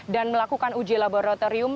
dan melakukan uji laboratorium